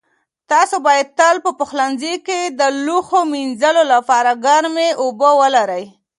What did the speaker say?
تاسو باید تل په پخلنځي کې د لوښو مینځلو لپاره ګرمې اوبه ولرئ.